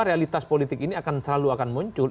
realitas politik ini akan selalu akan muncul